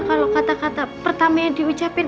kalau kata kata pertama yang diucapin